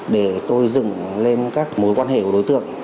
để tôi dựng lên các mối quan hệ của đối tượng